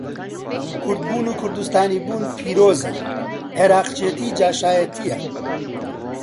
کوردبوون و کوردستانی بوون پیرۆزە، عێڕاقچێتی جاشایەتییە.